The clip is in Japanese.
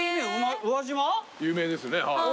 有名ですね。